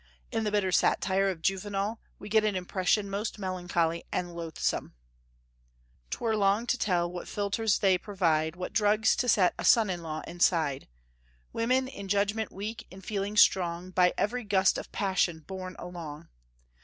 In the bitter satire of Juvenal we get an impression most melancholy and loathsome: "'T were long to tell what philters they provide, What drugs to set a son in law aside, Women, in judgment weak, in feeling strong, By every gust of passion borne along.